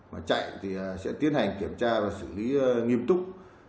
mà chạy thì sẽ tiến hành kiểm tra và xử lý nghiêm túc